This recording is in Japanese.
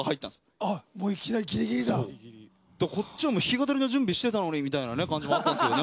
だからこっちはもう弾き語りの準備してたのにみたいな感じもあったんですけどね。